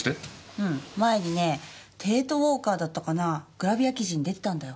うん前にね『帝都ウォーカー』だったかなグラビア記事に出てたんだよ。